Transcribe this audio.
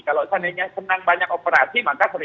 kalau seandainya senang banyak operasi maka sering bakal terjadi